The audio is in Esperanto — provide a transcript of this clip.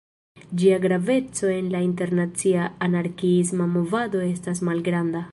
Ĝia graveco en la internacia anarkiisma movado estas malgranda.